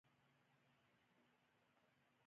په پای کې مات شوی پفاندر له هندوستانه ووت.